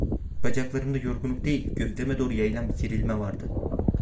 Bacaklarımda yorgunluk değil, gövdeme doğru yayılan bir gerilme vardı.